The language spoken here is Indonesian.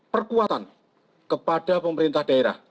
perkuatan kepada pemerintah daerah